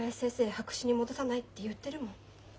白紙に戻さないって言ってるもん。